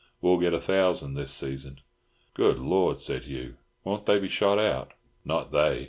We'll get a thousand this season." "Good Lord," said Hugh. "Won't they be shot out?" "Not they.